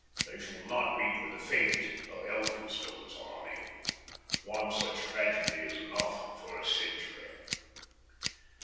They shall not meet with the fate of Elphinstone's army. One such tragedy is enough for a century.